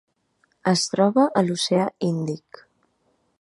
Es troba a l'oceà Índic.